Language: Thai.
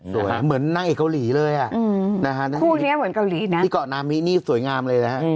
เหมือนนางเอกเกาหลีเลยอ่ะนะฮะคู่นี้เหมือนเกาหลีนะที่เกาะนามินี่สวยงามเลยนะฮะ